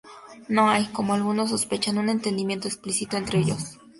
No hay, como algunos sospechan, un entendimiento explícito entre ellos.